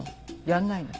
やんないの？